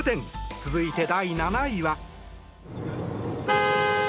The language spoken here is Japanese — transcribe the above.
続いて、第７位は。